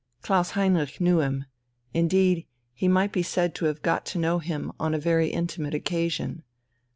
Klaus Heinrich knew him indeed, he might be said to have got to know him on a very intimate occasion.